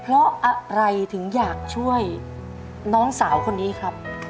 เพราะอะไรถึงอยากช่วยน้องสาวคนนี้ครับ